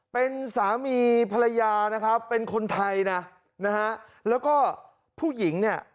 เป็นสามีภรรยานะครับเป็นคนไทยนะนะฮะแล้วก็ผู้หญิงเนี่ย